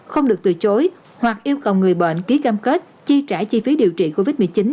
không được từ chối hoặc yêu cầu người bệnh ký cam kết chi trả chi phí điều trị covid một mươi chín